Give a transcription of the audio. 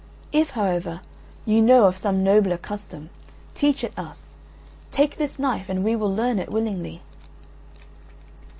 If, however, you know of some nobler custom, teach it us: take this knife and we will learn it willingly."